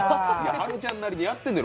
はるちゃんなりに頑張ってるのよ。